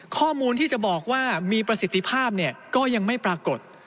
ข้อมูลที่จะบอกว่ามีประสิทธิภาพก็ยังไม่ปรากฏ